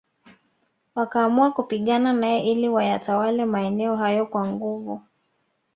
Wakaamua kupigana nae ili wayatawale maeneo hayo kwa nguvu